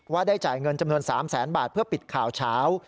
ได้จ่ายเงินจำนวน๓แสนบาทเพื่อปิดข่าวเช้า